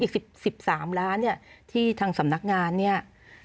อีก๑๓ล้านเนี่ยที่ทางสำนักงานเนี่ย